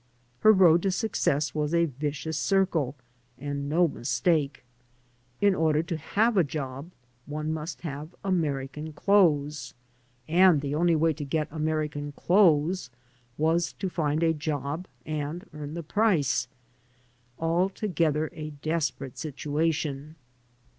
Her road to success was a vicious circle, and no mistake. 93 AN AMERICAN IN THE MAKING In order to have a job one must have American clothes, and the only way to get American clothes was to find a job and earn the price. Altogether a desperate situation.